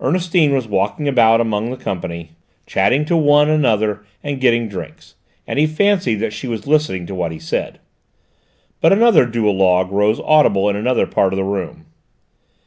Ernestine was walking about among the company, chatting to one and another and getting drinks, and he fancied that she was listening to what he said. But another duologue rose audible in another part of the room.